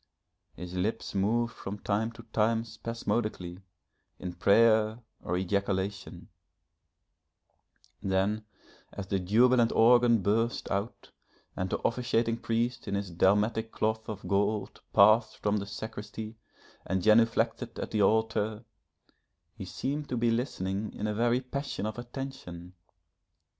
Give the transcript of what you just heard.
His lips moved from time to time spasmodically, in prayer or ejaculation: then as the jubilant organ burst out, and the officiating priest in his dalmatic of cloth of gold passed from the sacristy and genuflected at the altar, he seemed to be listening in a very passion of attention.